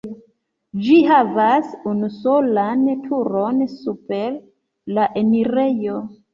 Ĝi havas unusolan turon super la enirejo.